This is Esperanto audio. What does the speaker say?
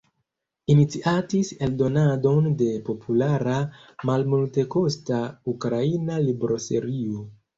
Iniciatis eldonadon de populara malmultekosta ukraina libroserio.